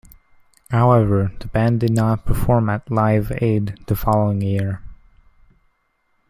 However, the band did not perform at Live Aid the following year.